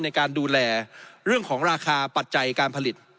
ในการดูแลเรื่องของราคาปัจจัยการผลิต